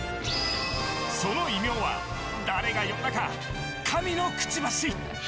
その異名は誰が呼んだか神のクチバシ。